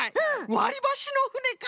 わりばしのふねか！